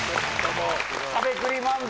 しゃべくり漫才